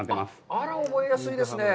あら、覚えやすいですね。